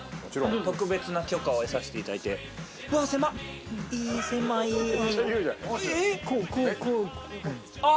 特別な許可を得させていただいてい狭いええっ？